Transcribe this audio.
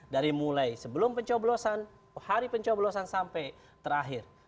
dari mulai sebelum pencoblosan hari pencoblosan sampai terakhir